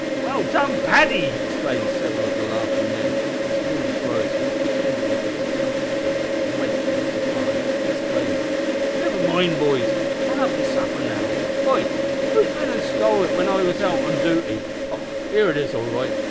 "Well done, Paddy," exclaimed several of the laughing men, as Flinders rose with a pretended look of discomfiture, and went towards the fire, exclaiming "Niver mind, boys, I'll have me supper now. Hi! who's bin an' stole it whin I was out on dooty? Oh! here it is all right.